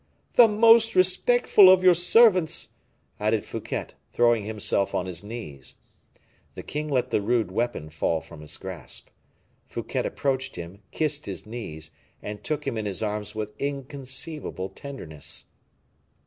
"The most respectful of your servants," added Fouquet, throwing himself on his knees. The king let the rude weapon fall from his grasp. Fouquet approached him, kissed his knees, and took him in his arms with inconceivable tenderness.